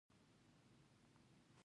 هغه د ورځپاڼو د پلورلو لپاره زارۍ کولې.